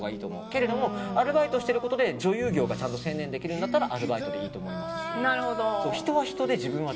けれどもアルバイトしてることで女優業が専念できるならアルバイトでいいと思います。